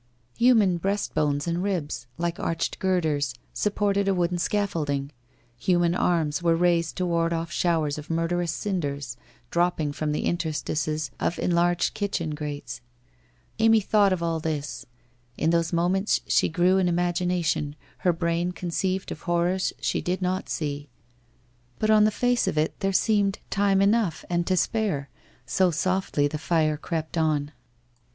Human breastbones and ribs, like arched girders, supported a wooden scaffolding; human arms were raised to ward off showers of murderous cinders, dropping from the inter stices of enlarged kitchen grates. Amy thought of all this. In those moments she grew in imagination; her brain con ceived of horrors she did not see. But on the face of it there seemed time enough and to spare, so softly the fire crept on.